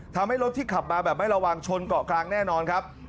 ทำให้รถที่ขับมาแบบไม่ระวังชนเกาะกลางแน่นอนครับ